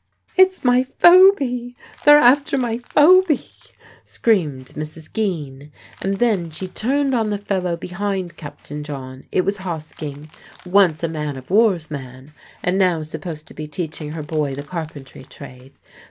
"It's my Phoby they're after my Phoby!" screamed Mrs. Geen, and then she turned on the fellow behind Captain John; it was Hosking, once a man of war's man, and now supposed to be teaching her boy the carpentry trade.